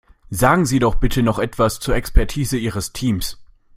Sagen Sie doch bitte noch etwas zur Expertise Ihres Teams.